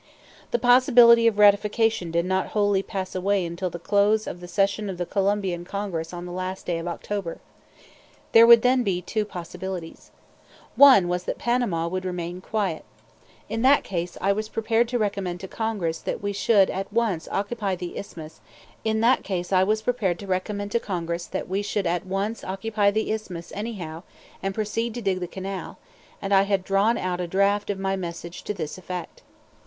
The possibility of ratification did not wholly pass away until the close of the session of the Colombian Congress on the last day of October. There would then be two possibilities. One was that Panama would remain quiet. In that case I was prepared to recommend to Congress that we should at once occupy the Isthmus anyhow, and proceed to dig the canal; and I had drawn out a draft of my message to this effect.